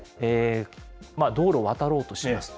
道路を渡ろうとします。